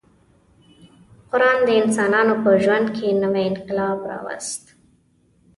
قران د انسانانو په ژوند کې نوی انقلاب راوست.